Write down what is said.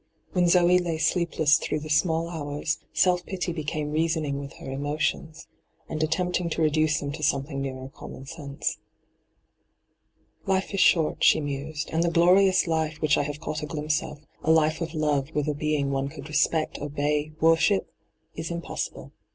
When Zoe lay sleepless through the small hours, self pity became reasoning with her emotions, and attempting to redaoe them to something nearer common ' Life is short,' she mused, ' and the glorious life which I have caught a glimpse of — a life of love with a being one could respect, obey, worship — ^is impossible.